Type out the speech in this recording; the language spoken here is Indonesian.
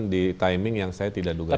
di timing yang saya tidak duga